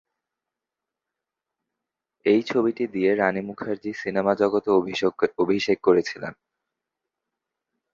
এই ছবিটি দিয়ে রানী মুখার্জী সিনেমা জগতে অভিষেক করেছিলেন।